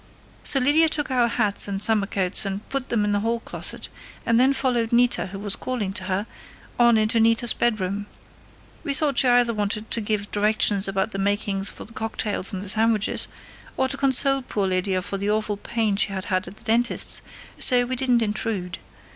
"So Lydia took our hats and summer coats and put them in the hall closet, and then followed Nita, who was calling to her, on into Nita's bedroom. We thought she either wanted to give directions about the makings for the cocktails and the sandwiches, or to console poor Lydia for the awful pain she had had at the dentist's, so we didn't intrude.